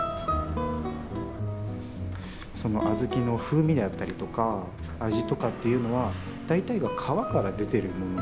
その小豆の風味であったりとか味とかっていうのは大体が皮から出てるものなんですよね。